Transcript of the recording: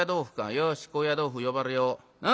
よし高野豆腐呼ばれよう。